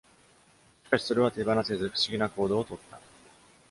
しかし、それは手放せず、不思議な行動をとった。